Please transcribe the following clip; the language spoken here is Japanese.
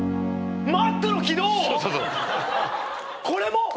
これも？